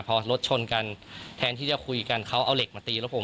พอรถชนกันแทนที่จะคุยกันเขาเอาเหล็กมาตีรถผม